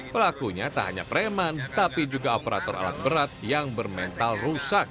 pelakunya tak hanya preman tapi juga operator alat berat yang bermental rusak